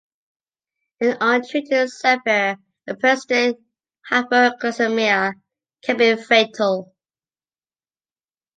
An untreated severe and persistent hypoglycemia can be fatal.